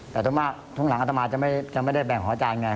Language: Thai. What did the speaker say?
แต่ตอนหลังอาจารย์จะไม่ได้แบ่งหอจานไง